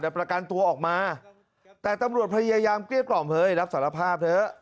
แต่ประกันตัวออกมาแต่ตำรวจพยายามเกลี้ยกล่อมเฮ้ยรับสารภาพเถอะ